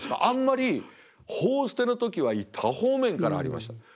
あんまり「報ステ」の時は多方面からありました。